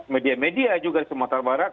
media media juga di sumatera barat